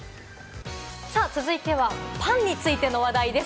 続いてはパンについての話題です。